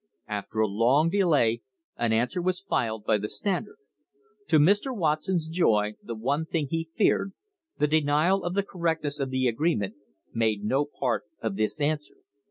After a long delay an answer was filed by the Standard. To Mr. Watson's joy, the one thing he feared the denial of the correctness of the agree ment made no part of this answer.